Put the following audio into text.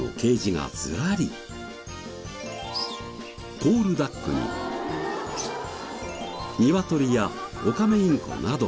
コールダックにニワトリやオカメインコなどなど。